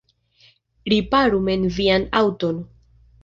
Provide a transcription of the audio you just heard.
Riparu mem vian aŭton.